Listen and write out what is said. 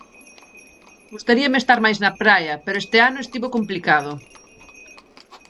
Gustaríame estar máis na praia pero este ano estivo complicado.